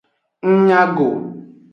Ng nya go.